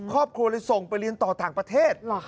ครอบครัวเลยส่งไปเรียนต่อต่างประเทศ